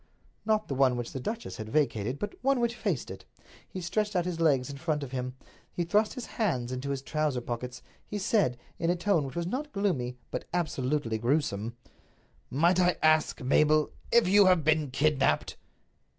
Not the one which the duchess had vacated, but one which faced it. He stretched out his legs in front of him; he thrust his hands into his trousers pockets; he said, in a tone which was not gloomy but absolutely grewsome: "Might I ask, Mabel, if you have been kidnaped?"